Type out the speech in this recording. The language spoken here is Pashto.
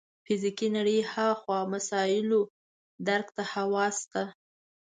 فزیکي نړۍ هاخوا مسایلو درک ته حواس شته.